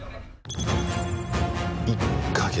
１か月。